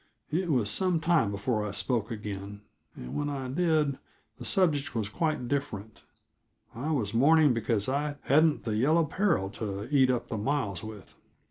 It was some time before I spoke again, and, when I did, the subject was quite different; I was mourning because I hadn't the Yellow Peril to eat up the miles with.